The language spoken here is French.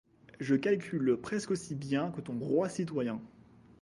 Je calcule presque aussi bien que ton roi-citoyen.